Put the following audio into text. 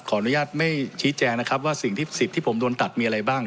ขออนุญาตไม่ชี้แจงนะครับว่าสิ่งที่สิทธิ์ที่ผมโดนตัดมีอะไรบ้าง